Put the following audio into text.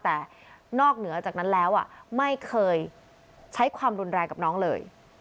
แต่นอกเหนือจากนั้นแล้วไม่เคยใช้ความรุนแรงกับน้องเลย